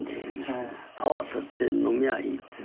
泡立てて飲みゃいいっていう。